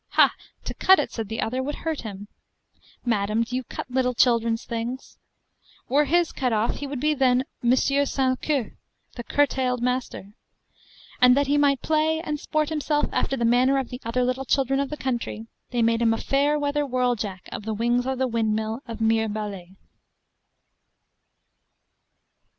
Ha, to cut it, said the other, would hurt him. Madam, do you cut little children's things? Were his cut off, he would be then Monsieur sans queue, the curtailed master. And that he might play and sport himself after the manner of the other little children of the country, they made him a fair weather whirl jack of the wings of the windmill of Myrebalais.